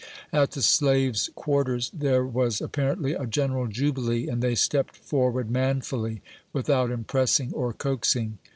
At the slaves' quarters, there was apparently a general jubilee, and they stepped for ward manfully, without impressing or coaxing.